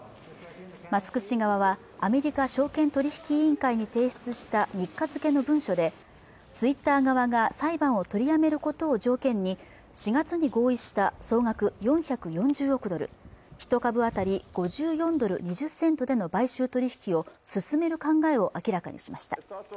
マスク氏側はアメリカ証券取引委員会に提出した３日付の文書でツイッター側が裁判を取りやめることを条件に４月に合意した総額４４０億ドル１株当たり５４ドル２０セントでの買収取引を進める考えを明らかにしました